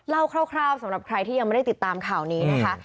คร่าวสำหรับใครที่ยังไม่ได้ติดตามข่าวนี้นะคะ